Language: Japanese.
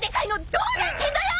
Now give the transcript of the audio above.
どうなってんのよ！？